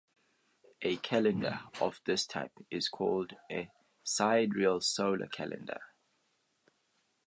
A calendar of this type is called a sidereal solar calendar.